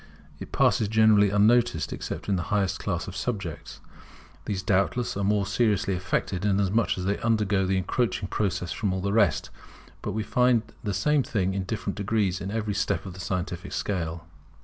It passes generally unnoticed except in the highest class of subjects. These doubtless are more seriously affected, inasmuch as they undergo the encroaching process from all the rest; but we find the same thing in different degrees, in every step of the scientific scale.